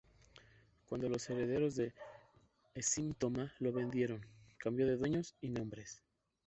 Cuando los herederos de Ećim-Toma la vendieron, cambió de dueños y nombres.